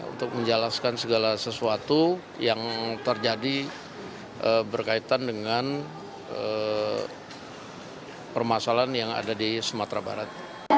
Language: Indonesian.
untuk menjelaskan segala sesuatu yang terjadi berkaitan dengan permasalahan yang ada di sumatera barat